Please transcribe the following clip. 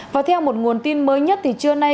và theo một nguồn tin mới nhất thì trưa nay